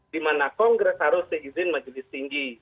dimana kongres harus diizinkan majelis tinggi